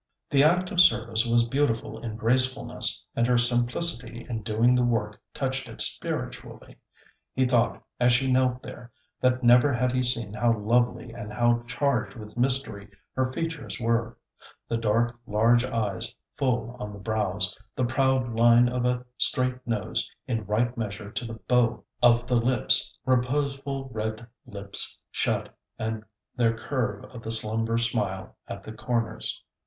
The act of service was beautiful in gracefulness, and her simplicity in doing the work touched it spiritually. He thought, as she knelt there, that never had he seen how lovely and how charged with mystery her features were; the dark large eyes full on the brows; the proud line of a straight nose in right measure to the bow of the lips; reposeful red lips, shut, and their curve of the slumber smile at the corners.